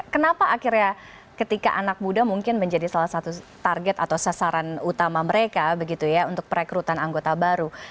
kenapa akhirnya ketika anak muda mungkin menjadi salah satu target atau sasaran utama mereka begitu ya untuk perekrutan anggota baru